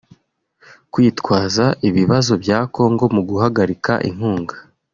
Kwitwaza ibibazo bya Congo mu guhagarika inkunga